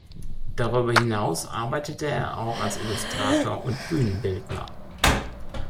Darüber hinaus arbeitete er auch als Illustrator und Bühnenbildner.